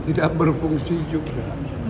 tidak berfungsi juga